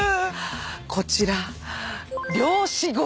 こちら。